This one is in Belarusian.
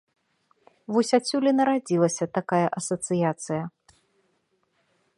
Вось адсюль і нарадзілася такая асацыяцыя.